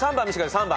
３番。